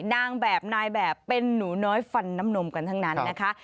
นางแบบนายแบบเป็นหนูน้อยฟันน้ำนมกันทั้งนั้นนะคะ